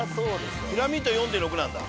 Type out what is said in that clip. ピラミッド４．６なんだ。